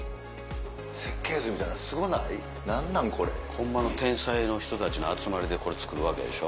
ホンマの天才の人たちの集まりでこれ造るわけでしょ。